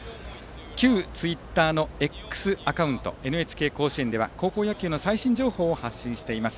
旧ツイッターのＸアカウント「ＮＨＫ甲子園」では高校野球の最新情報を発信しています。